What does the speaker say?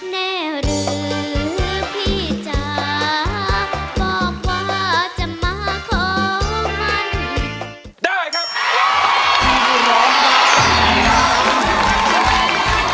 แน่หรือพี่จ้าบอกว่าจะมาขอมัน